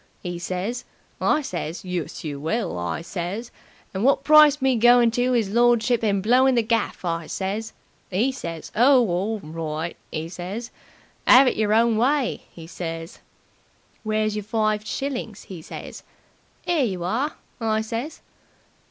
'e says. I says, 'Yus, you will!' I says. 'And wot price me goin' to 'is lordship and blowing the gaff?' I says. 'E says, 'Oh, orl right!' 'e says. 'Ave it yer own way!' 'e says. "'Where's yer five shillings?' 'e says. ''Ere yer are!' I says.